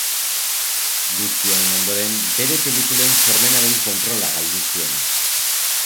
Guzti honen ondoren, bere pelikulen sormenaren kontrola galdu zuen.